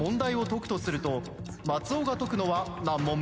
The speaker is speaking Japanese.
「松尾が解くのは何問目？」